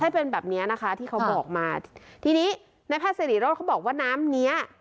ให้เป็นแบบเนี้ยนะคะที่เขาบอกมาทีนี้ในแพทย์สิริโรธเขาบอกว่าน้ำเนี้ย